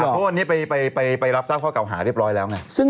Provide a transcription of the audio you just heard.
ต้องไปพบที่สารแขวงพระราชนราชเนื้อ